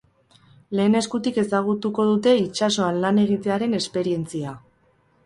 Lehen eskutik ezagutuko dute itsasoan lan egitearen esperientzia.